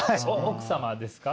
奥様ですか？